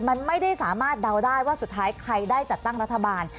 มันไม่ได้สามารถเดาได้ว่าสุดท้ายใครได้จัดตั้งรัฐบาล